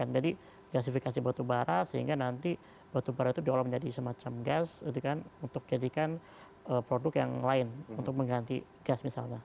jadi gasifikasi batu bara sehingga nanti batu bara itu diolah menjadi semacam gas untuk jadikan produk yang lain untuk mengganti gas misalnya